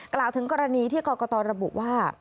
กล่าวถึงกรณีที่กรกตระบุว่า